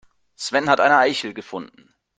Sven hat eine Eichel gefunden.